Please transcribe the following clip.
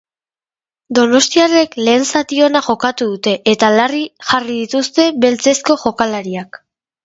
Donostiarrek lehen zati ona jokatu dute eta larri jarri dituzte beltzezko jokalariak.